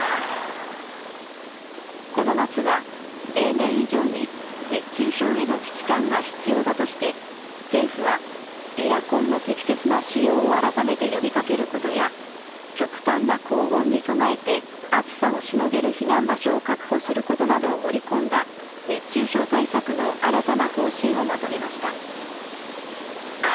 この夏は例年以上に熱中症への危機感が必要だとして、政府はエアコンの適切な使用を改めて呼びかけることや、極端な高温に備えて、暑さをしのげる避難場所を確保することなどを盛り込んだ熱中症対策の新たな方針をまとめました。